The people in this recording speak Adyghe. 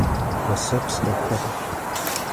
Осэпс къехыгъ.